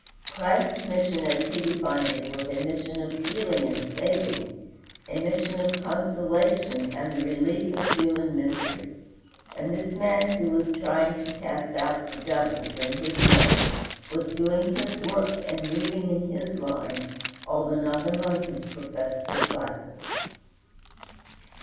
Christ's mission as he defined it was a mission of healing and saving, a mission of consolation and the relief of human misery; and this man who was trying to cast out the devils in his name was doing his work and moving in his line, although not among his professed disciples.